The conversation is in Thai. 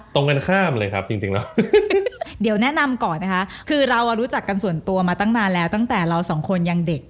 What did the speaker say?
ตรงกันข้ามเลยครับจริงแล้วเดี๋ยวแนะนำก่อนนะคะคือเรารู้จักกันส่วนตัวมาตั้งนานแล้วตั้งแต่เราสองคนยังเด็ก